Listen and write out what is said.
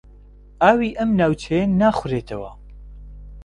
ئاوی ئەم ناوچەیە ناخورێتەوە.